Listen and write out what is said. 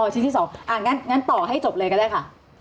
ชิ้นที่๒งั้นต่อให้จบเลยก็ได้ค่ะ